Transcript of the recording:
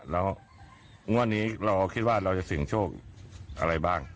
แล้วงวดนี้เราก็คิดว่าเราจะเสี่ยงโชคอะไรบ้าง